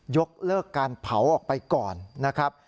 ยกเลิกการเผาออกไปก่อนนะครับ